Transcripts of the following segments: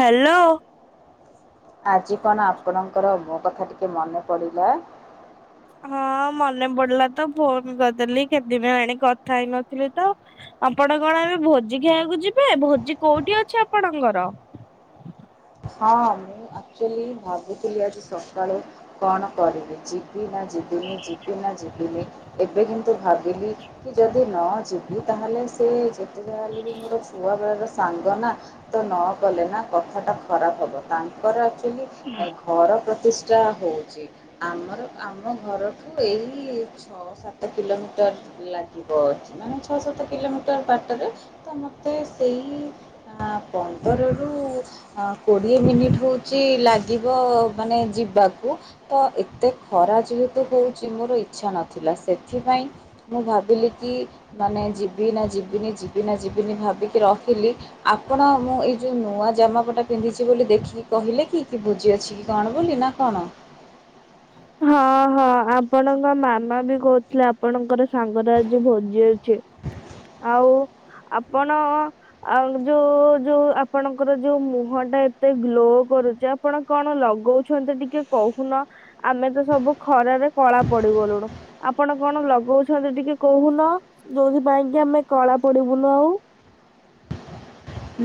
Hello ଆଜି କଣ ଆପଣଙ୍କର ମୋ କଥା ଟିକେ ମନେ ପଡ଼ିଲା? ହଁ ମନେ ପଡିଲା ତ ଫୋନ କରିଦେଲି କେତେ ଦିନ ହେଲାଣି କଥା ହେଇନଥିଲି ତ ଆପଣ କଣ ଏବେ ଭୋଜି ଖାଇବାକୁ ଯିବେ ଭୋଜି କୋଉଠି ଅଛି ଆପଣଙ୍କର? ହଁ ମୁଁ ଆକ୍ଚୁଆଲି ଭାବୁଥିଲି ଆଜି ସକାଳେ କଣ କରିବି ଯିବି ନା ଯିବିନି ଯିବି ନା ଯିବିନି, ଏବେ କିନ୍ତୁ ଭାବିଲି କି ଯଦି ନ ଯିବି, ତାହେଲେ ସେ ଯେତେଯାହା ହେଲେ ବି ମୋର ଛୁଆବେଳାର ସାଙ୍ଗ ନା ତ ନ କଲେ ନା କଥାଟା ଖରାପ ହବ, ତାଙ୍କର ଘର ପ୍ରତିଷ୍ଠା ହଉଛି, ଆମର ଆମ ଘରଠୁ ଏଇ ଛଅ, ସାତ କିଲୋମିଟର ଲାଗିବ ଛି ମାନେ ଛଅ, ସାତ କିଲୋମିଟର ବାଟରେ ତ ମତେ ସେଇ ଆଁ ପନ୍ଦରରୁ ଆ କୋଡ଼ିଏ ମିନିଟ୍ ହଉଚ଼ି ଲାଗିବ ମାନେ ଯିବାକୁ। ତ ଏତେ ଖରା ଯେହେତୁ ହଉଚ଼ି ମୋର ଇଛା ନଥିଲା, ସେଥିପାଇଁ ମୁଁ ଭାବିଲି କି, ମାନେ ଯିବି ନା ଯିବିନି, ଯିବି ନା ଯିବିନି, ଭାବିକି ରହିଲି। ଆପଣ ମୁଁ ଏଇ ଯଉ ନୂଆ ଜାମାପଟା ପିନ୍ଧିଚ଼ି ବୋଲି ଦେଖି କହିଲେ କି କି ବୁଜି ଅଛି କି କଣ ବୋଲି ନା କଣ? ହଁ ହଁ ଆପଣଙ୍କ ମାମା ବି କଉଥିଲେ ଆପଣଙ୍କର ସାଙ୍ଗରେ ଆଜି ଭୋଜି ଅ ଛି, ଆଉ ଆପଣ ଆଉ ଯୋଉ ଯୋଉ ଆପଣଙ୍କର ଯୋଉ ମୁହଁ ଟା ଏତେ ଗ୍ଲୋ କରୁଚ଼ି ଆ ଆପଣ କଣ ଲଗଉଛନ୍ତି ଟିକେ କହୁନ? ଆମେ ତ ସବୁ ଖରାରେ କଳା ପଡିଗଲୁଣୁ। ଆପଣ କଣ ଲଗଉଛନ୍ତି ଟିକେ କହୁନ? ଯୋଉଥି ପାଇଁ କି ଆମେ କଳା ପଡିବୁନୁ ଆଉ?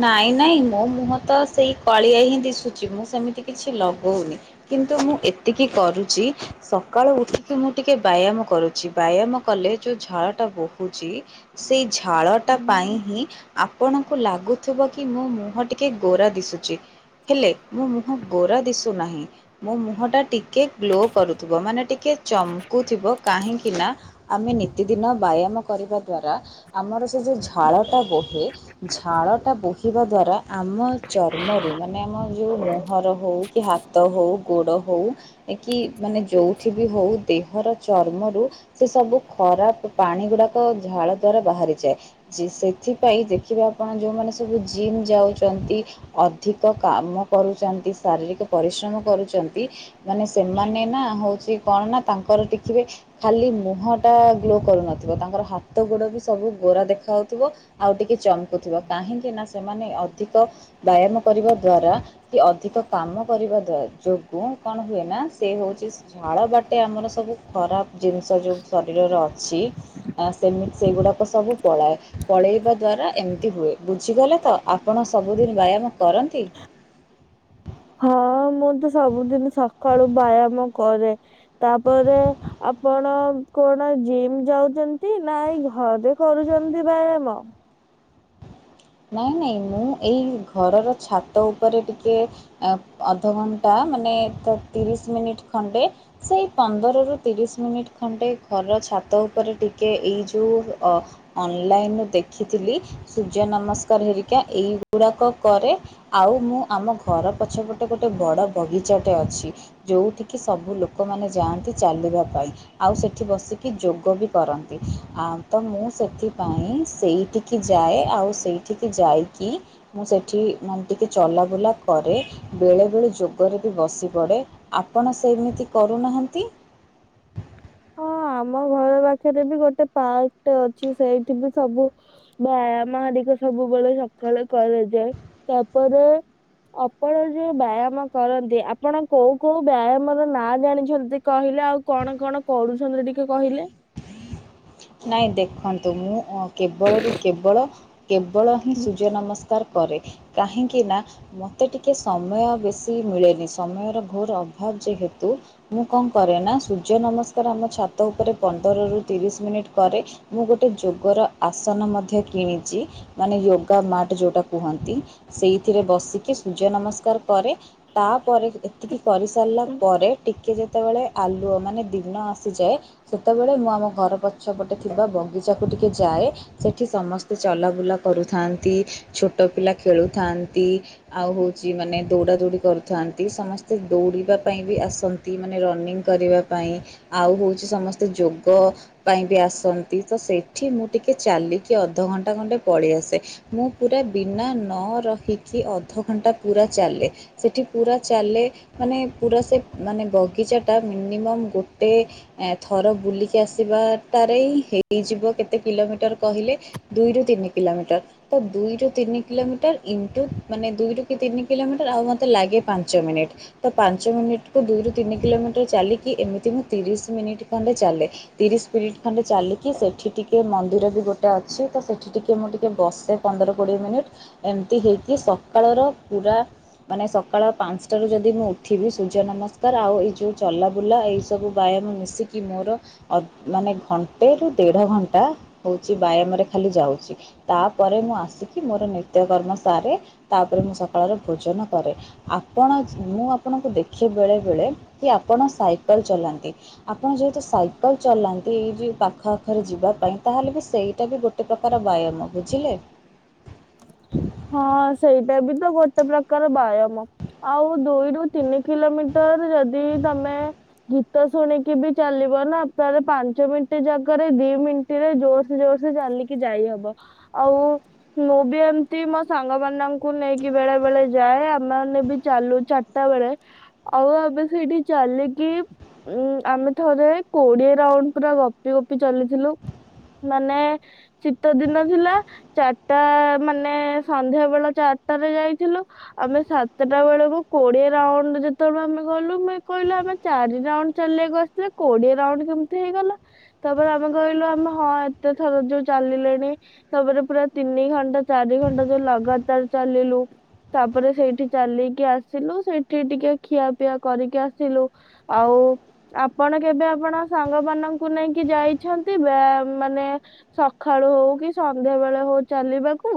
ନାଇଁ ନାଇଁ ମୋ ମୁହଁ ତ ସେଇ କଳିଆ ହିଁ ଦିଶୁଛି, ମୁଁ ସେମିତି କିଛି ଲଗଉନି। କିନ୍ତୁ ମୁଁ ଏତିକି କରୁଚ଼ି। ସକାଳୁ ଉଠିକି ମୁଁ ଟିକେ ବାୟାମ କରୁଚ଼ି ବାୟାମ କଲେ ଯୋଉ ଝାଳ ଟା ବୋହୁଚ଼ି ସେଇ ଝାଳଟା ପାଇଁ ହିଁ ଆପଣଙ୍କୁ ଲାଗୁ ଥୁବ କି ମୋ ମୁହଁ ଟିକେ ଗୋରା ଦିଶୁଚ଼ି, ହେଲେ ମୋ ମୁହଁ ଗୋରା ଦିଶୁ ନାହିଁ। ମୋ ମୁହଁଟା ଟିକେ ଗ୍ଲୋ କରୁଥିବ ମାନେ ଟିକେ ଚମକୁଥିବ, କାହିଁକି ନା ଆମେ ନିତିଦିନ ବାୟାମ କରିବା ଦ୍ଵାରା ଆମର ସେ ଯୋଉ ଝାଳଟା ବୋହେ, ଝାଳଟା ବୋହିବା ଦ୍ୱାରା ଆମ ଚର୍ମରୁ ମାନେ ଆମ ଯୋଉ ମୁହଁର ହଉ କି ହାତ ହଉ ଗୋଡ଼ ହଉ ଏ କି ମାନେ ଯୋଉଠି ବି ହଉ, ଦେହର ଚର୍ମରୁ ସେ ସବୁ ଖରାପ ପାଣି ଗୁଡାକ ଝାଳ ଦ୍ଵାରା ବାହାରିଯାଏ। ଜି ସେଥିପାଇଁ ଦେଖିବେ ଆପଣ ଯୋଉମାନେ ସବୁ ଜିମ୍ ଯାଉଚ଼ନ୍ତି। ଅଧିକ କାମ କରୁଚ଼ନ୍ତି ଶାରୀରିକ୍ ପରିଶ୍ରମ କରୁଚ଼ନ୍ତି। ମାନେ ସେମାନେ ନା ହଉଚ଼ି କଣ ନା ତାଙ୍କର ଦେଖିବେ ଖାଲି ମୁହଁ ଟା ଗ୍ଲୋ କରୁନଥିବ ତାଙ୍କର ହାତ ଗୋଡ ବି ସବୁ ଗୋରା ଦେଖାହଉଥିବ। ଆଉ ଟିକେ ଚମକୁଥିବ କାହିଁକି ନା ସେମାନେ ଅଧିକ ବାୟାମ କରିବା ଦ୍ଵାରା କି ଅଧିକ କାମ କରିବା ଦ୍ୱା ଯୋଗୁ କଣ ହୁଏ ନା ସେ ହଉଚ଼ି ଝାଳ ବାଟେ ଆମର ସବୁ ଖରାପ ଜିନିଷ ଯୋଉ ଶରୀରରେ ଅଛି। ଆ ସେମିତି ସେଇଗୁଡାକ ସବୁ ପଳାଏ ପଳେଇବା ଦ୍ଵାରା ଏମିତି ହୁଏ। ବୁଝିଗଲେ ତ? ଆପଣ ସବୁଦିନ ବ୍ୟାୟାମ କରନ୍ତି? ହଁ ମୁଁ ତ ସବୁଦିନ ସକାଳୁ ବ୍ୟାୟାମ କରେ। ତାପରେ, ଆପଣ? କଣ ଜିମ୍ ଯାଉଚ଼ନ୍ତି ନା, ଏଇ ଘରେ କରୁଚ଼ନ୍ତି ବାୟାମ? ନାଇଁ ନାଇଁ ମୁଁ ଏଇ ଘରର ଛାତ ଉପରେ ଟିକେ ଆ ଅଧଘଣ୍ଟା ମାନେ ତ ତିରିଶ୍ ମିନିଟ୍ ଖଣ୍ଡେ ସେଇ ପନ୍ଦରରୁ ତିରିଶ୍ ମିନିଟ୍ ଖଣ୍ଡେ ଘରର ଛାତ ଉପରେ ଟିକେ ଏଇ ଯୋଉ ଅ ଅନଲାଇନ୍ ଉ ଦେଖିଥିଲି ସୂର୍ଯ୍ୟ ନମସ୍କାର ହେରିକା ଏଇଗୁରାକ କରେ। ଆଉ ମୁଁ ଆମ ଘର ପଛପଟେ ଗୋଟେ ବଡ଼ ବଗିଚାଟେ ଅଛି। ଯୋଉଠିକି ସବୁ ଲୋକମାନେ ଯାଆନ୍ତି ଚାଲିବା ପାଇଁ। ଆଉ ସେଠି ବସିକି ଯୋଗ ବି କରନ୍ତି ଆ ତ ମୁଁ ସେଥିପାଇଁ ସେଇଠି କି ଯାଏ ଆଉ ସେଇଠିକି ଯାଇକି ମୁଁ ସେଠି ମାନ୍ ଟିକେ ଚଲାବୁଲା କରେ। ବେଳେବେଳେ ଯୋଗରେ ବି ବସି ପଡ଼େ ଆପଣ ସେଇମିତି କରୁନାହାନ୍ତି। ହଁ ଆମ ଘର ପାଖରେ ବି ଗୋଟେ ପାର୍କ ଟେ ଅଛି ସେଇଠି ବି ସବୁ ବାୟାମ ହରିକା ସବୁବେଳେ ସକାଳେ କରାଯାଏ। ତାପରେ ଅପଣ ଯୋଉ ବାୟାମ କରନ୍ତି ଆପଣ କୋଉ କୋଉ ବାୟାମର ନା ଜାଣିଛନ୍ତି କହିଲେ ଆଉ କଣ କଣ କରୁଛନ୍ତି ଟିକେ କହିଲେ? ନାଇଁ ଦେଖନ୍ତୁ ମୁଁ ଅଁ କେବଳ ରୁ କେବଳ କେବଳ ହିଁ ସୂର୍ଯ୍ୟ ନମସ୍ କାର କରେ କାହିଁକି ନା ମୋତେ ଟିକେ ସମୟ ବେଶୀ ମିଳେନି ସମୟର ଘୋର ଅଭାବ ଯେହେତୁ ମୁଁ କଣ କରେ ନା ସୂର୍ଯ୍ୟ ନମସ୍କାର ଆମ ଛାତ ଉପରେ ପନ୍ଦର ରୁ ତିରିଶ ମିନିଟ୍ କରେ ମୁଁ ଗୋଟେ ଯୋଗର ଆସନ ମଧ୍ୟ କିଣିଛି। ମାନେ ୟୋଗା ମାଟ ଯୋଉଟା କୁହନ୍ତି ସେଇଥିରେ ବସିକି ସୂର୍ଯ୍ୟ ନମସ୍କାର କରେ। ତାପରେ ଏତିକି କରିସାରିଲା ପରେ ଟିକ ଟିକଏ ଯେତେବେଳେ ଆଲୁଅ ମାନେ ଦିନ ଆସିଯାଏ ସେତେବେଳେ ମୁଁ ଆମ ଘର ପ ଛ ପଟେ ଥିବା ବଗିଚାକୁ ଟିକେ ଯାଏ। ସେଠି ସମସ୍ତେ ଚଲାବୁଲା କରୁଥାନ୍ତି, ଛୋଟ ପିଲା ଖେଳୁଥାନ୍ତି। ଆଉ ହଉଛି ମାନେ ଦୌଡା ଦୌଡି କରୁଥାନ୍ତି ସମସ୍ତେ ଦୌଡିବା ପାଇଁ ବି ଆସ ନ୍ତି ମାନେ ରନିଙ୍ଗ କରିବା ପାଇଁ ଆଉ ହଉଛି ସମସ୍ତେ ଯୋଗ ପାଇଁ ବି ଆସନ୍ତି ତ ସେଇଠି ମୁଁ ଟିକିଏ ଚାଲିକି ଅଧଘଣ୍ଟା ଖଣ୍ଟେ ପଳି ଆସେ। ମୁଁ ପୁରା ବିନା ନ ରହିକି ଅଧଘଣ୍ଟା ପୁରା ଚାଲେ। ସେଠି ପୁରା ଚାଲେ ମାନେ ପୁରା ସେ ମାନେ ବଗିଚା ଟା ମିନିମମ୍ ଗୋଟେ ଥର ବୁଲିକି ଆସିବାଟାରେ ହିଁ ହେଇଯିବ କେତେ କିଲୋମିଟର କହିଲେ ଦୁଇରୁ ତିନି କିଲୋମିଟର। ତ ଦୁଇରୁ ତିନି କିଲୋମିଟର ଇଣ୍ଟୁ ମାନେ ଦୁଇରୁ କି ତିନି କିଲୋମିଟର ଆଉ ମତେ ଲାଗେ ପାଞ୍ଚ ମିନିଟ୍। ତ ପାଞ୍ଚ ମିନିଟ କୁ ଦୁଇରୁୁ ତିନି କିଲୋମିଟର ଚାଲିକି ଏମିତି ମୁଁ ତିରିଶ ମିନିଟ୍ ଖଣ୍ଡେ ଚାଲେ। ତିରିଶ ସ୍ପିରିଟ୍ ଖଣ୍ଡେ ଚାଲିକି ସେଇଠି ଟିକିେ ମନ୍ଦିର ବି ଗୋଟେ ଅଛି ତ ସେଠି ଟିକିଏ ମୁଁ ଟିକେ ବସେ। ପନ୍ଦର କୋଡ଼ିଏ ମିନିଟ୍ ଏମିତି ହେଇକି ସକାଳର ପୁରା ମାନେ ସକାଳ ପାଞ୍ଚଟାରୁ ଯଦି ମୁଁ ଉଠିବି ସୂର୍ଯ୍ୟ ନମସ୍କାର ଆଉ ଏଇ ଯୋଉ ଚଲାବୁଲା ଏଇ ସବୁ ବୟାମ ମିଶିକି ମୋର ଅ ମାନେ ଘଣ୍ଟେ ରୁ ଦେଢ ଘଣ୍ଟା ହଉଛି ବ୍ୟାୟାମରେ ଖାଲି ଯାଉଛି। ତାପରେ ମୁଁ ଆସିକି ମୋର ନିତ୍ୟକର୍ମ ସାରେ ତାପରେ ମୁଁ ସକାଳର ଭୋଜନ କରେ। ଆପଣ ମୁଁ ଆପଣଙ୍କୁ ଦେଖେ ବେଳେ ବେଳେ କି ଆପଣ ସାଇକେଲ ଚଲାନ୍ତି। ଆପଣ ଯେହେତୁ ସାଇକେଲ ଚଲାନ୍ତି ଏଇ ଯେ ପାଖ ଆଖରେ ଯିବା ପାଇଁ ତାହେଲେ ବି ସେଇଟା ବି ଗୋଟେ ପ୍ରକାର ବ୍ୟାୟାମ ବୁଝିଲେ। ହଁ ସେଇଟା ବି ତ ଗୋଟେ ପ୍ରକାର ବ୍ୟାୟାମ। ଆଉ ଦୁଇରୁୁ ତିନି କିଲୋମିଟର ଯଦି ତମେ ଗୀତ ଶୁଣିକି ବି ଚାଲିବ ନା ତାଲେ ପାଞ୍ଚ ମିନିଟ ଜାଗରେ ଦି ମିନି ଟ ରେ ଜୋର ସେ ଜୋର ସେ ଚାଲିକି ଯାଇହବ ଆଉ ମୁଁ ବି ଏମ ତି ମୋ ସାଙ୍ଗ ମାନଙ୍କୁ ନେଇକି ବେଳେ ବେଳେ ଯାଏ ଆମେ ମାନେ ବି ଚାଲୁ ଚାରିଟା ବେଳେ ଆଉ ଆମେ ସେଇଠି ଚାଲିକି ଉଁ ଆମେ ଥରେ କୋଡିଏ ରାଉଣ୍ଡ ପୁରା ଗୋପି ଗୋପି ଚଲିଥିଲୁ। ମାନେ ଶୀତ ଦିନ ଥିଲା ଚାରିଟା ମାନେ ମାନେ ସନ୍ଧ୍ୟା ବେଳ ଚାରିଟରେ ଯାଇଥିଲୁ। ଆମେ ସାତଟା ବେଳକୁ କୋଡିଏ ରାଉଣ୍ଡ ଯେତେବେଳ ଆମେ ଗଲୁ ମୁଇ କହିଲୁ ଆମେ ଚାରି ରାଉଣ୍ଡ ଚାଲିଆକୁ ଆସିଥିଲେ କୋଡିଏ ରାଉଣ୍ଡ କେମିତି ହେଇଗଲା? ତାପରେ ଆମେ କହିଲୁ ଆମେ ହଁ ଏତେ ଥର ଯୋଉ ଚାଲିଲେଣି ତାପରେ ପୁରା ତିନି ଘଣ୍ଟା ଚାରି ଘଣ୍ଟା ଯୋଉ ଲଗାତାର ଚାଲିଲୁ ତାପରେ ସେଇଠି ଚାଲିକି ଆସିଲୁ ସେଇଠି ଟିକେ ଖିଆ ପିଆ କରିକି ଆସିଲୁ। ଆଉ ଆପଣ କେବେ ଆପଣ ସାଙ୍ଗ ମାନଙ୍କୁ ନେଇକି ଯାଇଛନ୍ତି ବା ମାନେ ସକାଳୁ ହଉ କି ସନ୍ଧ୍ୟା ବେଳେ ହଉ ଚାଲିବାକୁ?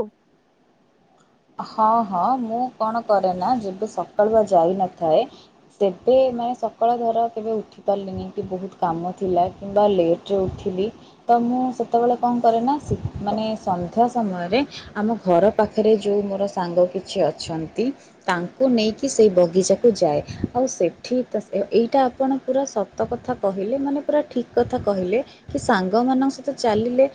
ହଁ ହଁ ମୁଁ କଣ କରେ ନା ଯେବେ ସକାଳୁଆ ଯାଇନଥାଏ ସେବେ ମାନେ ସକାଳୁର ଧର କେବେ ଉଠି ପାରିଲିନି କି ବହୁତ କାମ ଥିଲା କିମ୍ବା ଲେଟ୍ ରେ ଉଠିଲି ତ ମୁଁ ସେତେବେଳେ କଣ କରେ ନା ମାନେ ସନ୍ଧ୍ୟା ସମୟରେ ଆମ ଘର ପାଖରେ ଯୋଉ ମୋର ସାଙ୍ଗ କିଛି ଅଛନ୍ତି ତାଙ୍କୁ ନେଇକି ସେଇ ବଗିଚାକୁ ଯାଏ। ଆଉ ସେଠି ତ ଏଇଟା ଆପଣ ପୁରା ସ ସତ କଥା କହିଲେ ମାନେ ପୁରା ଠିକ୍ କଥା କହିଲେ କି ସାଙ୍ଗମାନଙ୍କ ସହିତ ଚାଲିଲେ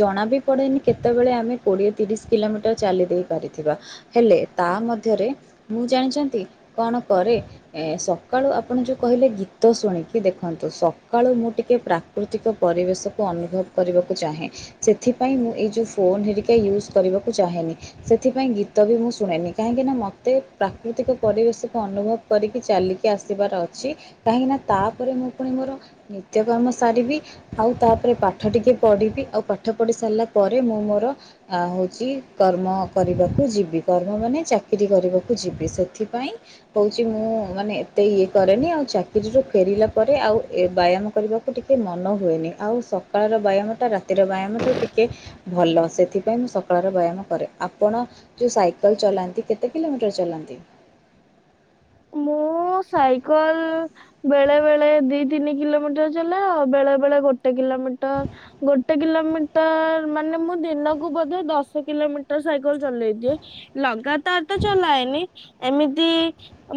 ଜଣା ବି ପଡେନି କେତେବେଳେ ଆମେ କୋଡିଏ ତିରିଶ କିଲୋମିଟର ଚାଲିଦିଏ। ଥିବା। ହେଲେ ତା ମଧ୍ୟରେ ମୁଁ ଜାଣିଛନ୍ତି କଣ କରେ ଏ ସକାଳୁ ଆପଣ ଯୋଉ କହିଲେ ଗୀତ ଶୁଣିକି ଦେଖନ୍ତୁ ସକାଳୁ ମୁଁ ଟିକେ ପ୍ରା ପ୍ରାକୃତିକ ପରିବେଶକୁ ଅନୁଭବ କରିବାକୁ ଚାହେଁ। ସେଥିପାଇଁ ମୁଁ ଏଇ ଯୋଉ ଫୋନ ହେରିକା ୟୁଜ୍ କରିବାକୁ ଚାହେଁନି। ସେଥିପାଇଁ ଗୀତ ବି ମୁଁ ଶୁଣେନି। କାହିଁକିନା ମୋତେ ପ୍ରାକୃତିକ ପରିବେଶକୁ ଅନୁଭବ କରିକି ଚାଲିକି ଆସିବାର ଅଛି। କାହିଁକି ନା ତାପରେ ମୁଁ ପୁଣି ମୋର ନିତ୍ୟକର୍ମ ସାରିବି। ଆଉ ତାପରେ ପାଠ ଟିକେ ପଢିବି। ଆଉ ପାଠ ପଢି ସାରିଲା ପରେ ମୁଁ ମୋର ଆ ହଉଛି କର୍ମ କରିବାକୁ ଯିବି। କର୍ମମାନେ ଚାକିରି କରିବାକୁ ଯିବି। ସେଥିପାଇଁ କହୁଛି ମୁଁ ମାନେ ଏତେ ଇଏ କରେନି ଆଉ ଚାକିରିରୁୁ ଫେରିଲା ପରେ ଆଉ ବ୍ୟାୟାମ କରିବାକୁ ଟିକେ ମନ ହୁଏନି। ଆଉ ସକାଳର ବ୍ୟାୟାମଟା ରାତିର ବ୍ୟାୟାମ ଠାରୁ ଟିକେ ଭଲ। ସେଥିପାଇଁ ମୁଁ ସକାଳର ବ୍ୟାୟାମ କରେ। ଆପଣ ଯୋଉ ସାଇକେଲ ଚଲାନ୍ତି କେତେ କିଲୋମିଟର ଚଲାନ୍ତି? ମୁଁ ସାଇକଲ ବେଳେ ବେଳେ ଦି ତିନି କିଲୋମିଟର ଚଲାଏ। ଆଉ ବେଳେ ବେଳେ ଗୋଟେ କିଲୋମିଟର। ଗୋଟେ କିଲୋମିଟର ମାନେ ମୁଁ ଦିନକୁ ବୋଧେ ଦଶ କିଲୋମିଟର ସାଇକେଲ ଚଲେଇ ଦିଏ। ଲଗାତାର ତ ଚଲାଏନି। ଏମିତି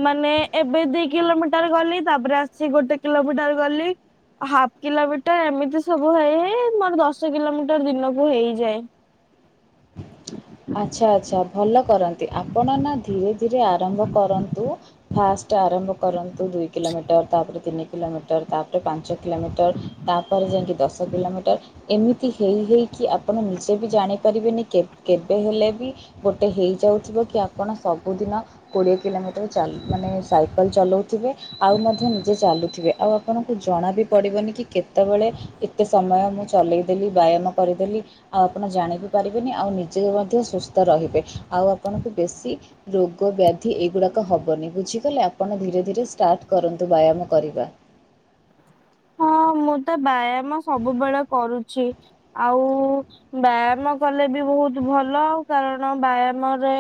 ମାନେ ଏବେ ଦି କିଲୋମିଟର ଗଲି ତାପରେ ଆସି ଗୋଟେ କିଲୋମିଟର ଗଲି। ହାଫ୍ କିଲୋମିଟର ଏମିତି ସବୁ ହେଇ ହେଇ ମୋର ଦଶ କିଲୋମିଟର ଦିନକୁ ହେଇଯାଏ। ଆଚ୍ଛା ଆଚ୍ଛା ଭଲ କରନ୍ତି। ଆପଣ ନା ଧୀରେ ଧୀରେ ଆରମ୍ଭ କରନ୍ତୁ। ଫାଷ୍ଟ ଆରମ୍ଭ କରନ୍ତୁ ଦୁଇ କିଲୋମିଟର ତାପରେ ତିନି କିଲୋମିଟର ତାପରେ ପାଞ୍ଚ କିଲୋମିଟର। ତାପରେ ଏମିତି ଦଶ କିଲୋମିଟର। ଏମିତି ହେଇ ହେଇକି ଆପଣ ନିଜେ ବି ଜାଣିପାରିବେନି କେବେ ହେଲେ ବି ଗୋଟେ ହେଇଯାଉଥିବ କି ଆପଣ ସବୁଦିନ କୋଡିଏ କିଲୋମିଟର ମାନେ ସାଇକେଲ ଚଲଉଥିବେ ଆଉ ମଧ୍ୟ ନିଜେ ଚାଲୁଥିବେ। ଆଉ ଆପଣଙ୍କୁ ଜଣା ବି ପଡ଼ିବନି କି କେତେବେଳେ ଏତେ ସମୟ ମୁଁ ଚଲେଇଦେଲି ବ୍ୟାୟାମ କରିଦେଲି ଆଉ ଆପଣ ଜାଣି ବି ପାରିବେନି ଆଉ ନିଜେ ମଧ୍ୟ ସୁସ୍ଥ ରହିବେ। ଆଉ ଆପଣଙ୍କୁ ବେଶୀ ରୋଗ ବ୍ୟାଧି ଏଗୁଡାକ ହବନି ବୁଝିଗଲେ ଆପଣ ଧୀରେ ଧୀରେ ଷ୍ଟାର୍ଟ କରନ୍ତୁ ବ୍ୟାୟାମ କରିବା। ହଁ ମୁଁ ତ ବ୍ୟାୟାମ ସବୁବେଳେ କରୁଚି। ଆଉ ବ୍ୟାୟାମ କଲେ ବି ବହୁତ ଭଲ। କାରଣ ବ୍ୟାୟାମରେ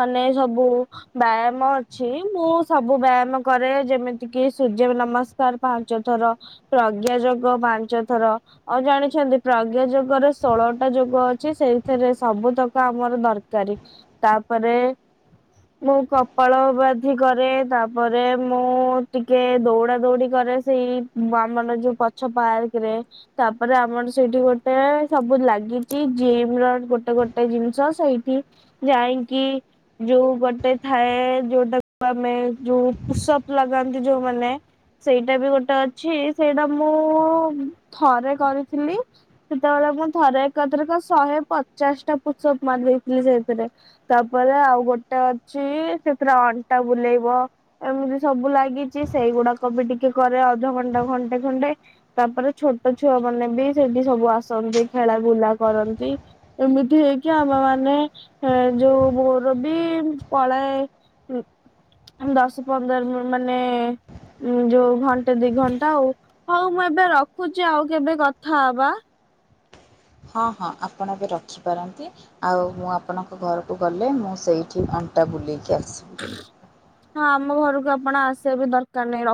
ମାନେ ସବୁ ବ୍ୟାୟାମ ଅଛି ମୁଁ ସବୁ ବ୍ୟାୟାମ କରେ ଯେମିତି କିି ସୂର୍ଯ୍ୟ ନମସ୍କାର ପାଞ୍ଚ ଥର ପ୍ରଜ୍ଞା ଯୋଗ ପାଞ୍ଚ ଥର। ଆଉ ଜାଣିଛନ୍ତି ପ୍ରଜ୍ଞା ଯୋଗରେ ଷୋହଳଟା ଯୋଗ ଅଛି। ସେଇଥିରେ ସବୁ ତକ ଆମର ଦରକାରୀ। ତାପରେ ମୁଁ କପାଳ ବାଧି କରେ ତାପରେ ମୁଁ ଟିକେ ଦୌଡା ଦୌଡି ଘରେ ସେଇ ଆମର ଯୋଉ ପଛ ପାର୍କ ରେ ତାପରେ ଆମର ସେଇଠି ଗୋଟେ ସବୁ ଲାଗିଛି ଜିମ୍ ର ଗୋଟେ ଗୋଟେ ଜିନିଷ ସେଇଠି ଯାଇଁକି ଯୋଉ ଗୋଟେ ଥାଏ ଯୋଉଟାକୁ ଆମେ ଯୋଉ ପୁସପ ଲଗାନ୍ତି ଯୋଉମାନେ ସେଇଟା ବି ଗୋଟେ ଅଛି ସେଇଟା ମୁଁ ଥରେ କରିଥିଲି ସେତେବେଳେ ମୁଁ ଥରେ ଏକଥ୍ରକ ଶହେ ପଚାଶଟା ପୁସକ ମାରିଦେଇଥିଲି ସେଇଥିରେ ତାପରେ ଆଉ ଗୋଟେ ଅଛି। ସେଥିରେ ଅଣ୍ଟା ବୁଲେଇବ। ଏମିତି ସବୁ ଲାଗିଛି ସେଇଗୁଡାକ ବି ଟିକେ କରେ ଅଧଘଣ୍ଟା ଖଣ୍ଟେ ଖଣ୍ଟେ। ତାପରେ ଛୋଟ ଛୁଆ ମାନେ ବି ସେଠି ସବୁ ଆସନ୍ତି ଖେଳା ବୁଲା କରନ୍ତି। ଏମିତି ହେଇକି ଆମ ମାନେ ଏ ଯୋଉ ମୋର ବି ପଳାଏ। ଉଁ ଦଶ ପନ୍ଦର ମାନେ ଯୋଉ ଘଣ୍ଟା ଗୋଟେ ଦି ଘଣ୍ଟା ଆଉ। ହଉ ମୁଁ ଏବେ ରଖୁଛି ଆଉ କେବେ କଥା ହବା। ହଁ ହଁ ଆପଣ ଏବେ ରଖିପାରନ୍ତି। ଆଉ ମୁଁ ଆପଣଙ୍କ ଘରକୁ ଗଲେ ମୁଁ ସେଇଠି ଆଣ୍ଟା ବୁଲେଇକି ଆସିବି। ହଁ ଆମ ଘରକୁ ଆପଣ ଆସିବା ବି ଦରକାର ନାହିଁ। ର